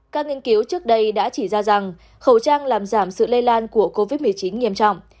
các nghiên cứu trước đây đã chỉ ra rằng khẩu trang làm giảm sự lây lan của covid một mươi chín nghiêm trọng